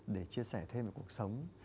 để chia sẻ thêm về cuộc sống